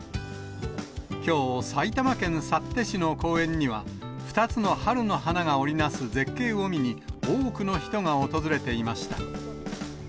きょう、埼玉県幸手市の公園には、２つの春の花が織り成す絶景を見に、多くの人が訪れていました。